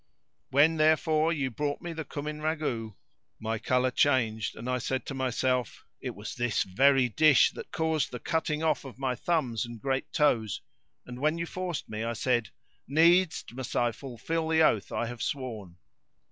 When, therefore, you brought me the cumin ragout my colour changed and I said to myself, "It was this very dish that caused the cutting off of my thumbs and great toes;" and, when you forced me, I said, "Needs must I fulfil the oath I have sworn."